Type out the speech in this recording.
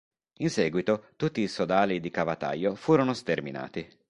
In seguito, tutti i sodali di Cavataio furono sterminati.